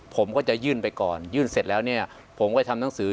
ผมก็จะยื่นไปก่อนยื่นเสร็จแล้วเนี่ยผมก็ทำหนังสือ